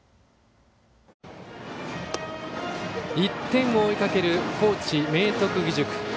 １点を追いかける高知・明徳義塾。